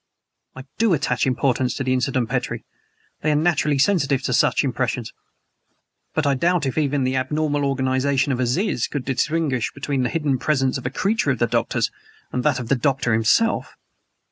"I DO attach importance to the incident, Petrie; they are naturally sensitive to such impressions. But I doubt if even the abnormal organization of Aziz could distinguish between the hidden presence of a creature of the Doctor's and that of the Doctor himself.